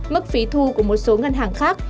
mức phí thu của một số ngân hàng khác